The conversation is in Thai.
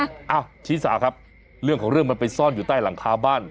อ้าวชี้สาครับเรื่องของเรื่องมันไปซ่อนอยู่ใต้หลังคาบ้าน